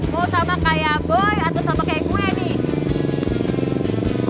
mau sama kayak boy atau sama kayak gue nih